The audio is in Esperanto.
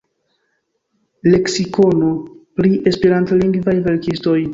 Leksikono pri Esperantlingvaj verkistoj.